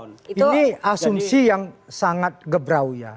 ini asumsi yang sangat gebrau ya